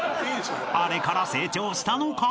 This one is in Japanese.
［あれから成長したのか？